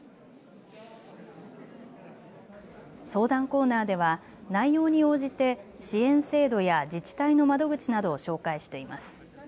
相談コーナーでは内容に応じて支援制度や自治体の窓口などを紹介しています。